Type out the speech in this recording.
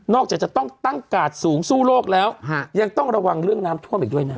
จากจะต้องตั้งกาดสูงสู้โลกแล้วยังต้องระวังเรื่องน้ำท่วมอีกด้วยนะ